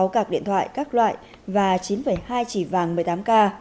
bốn trăm hai mươi sáu cạc điện thoại các loại và chín hai chỉ vàng một mươi tám k